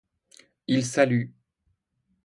Il salue.